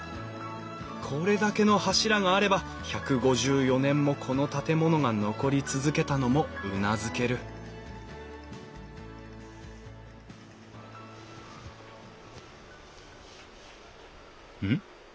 これだけの柱があれば１５４年もこの建物が残り続けたのもうなずけるうん？